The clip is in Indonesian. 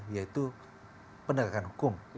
yaitu pendekatan hukum